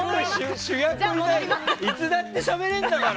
いつだってしゃべれんだから。